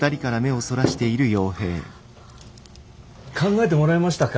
考えてもらえましたか？